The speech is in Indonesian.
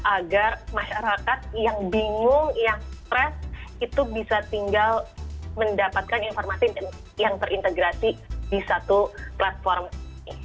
agar masyarakat yang bingung yang stres itu bisa tinggal mendapatkan informasi yang terintegrasi di satu platform ini